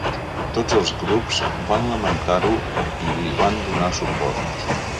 Tots els grups van lamentar-ho i li van donar suport.